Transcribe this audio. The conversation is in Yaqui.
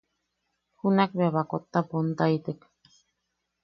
Junak bea baakotta pontaitek.